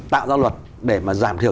tạo giao luật để mà giảm thừa